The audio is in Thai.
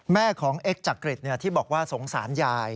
แม่ของเอ็กจักริตที่บอกว่าสงสารยาย